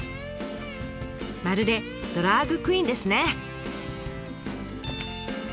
まるでドラァグクイーンですね！